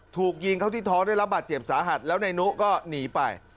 ถูกยิงเข้าที่ท้องได้รับบาดเจ็บสาหัสแล้วนายนุก็หนีไป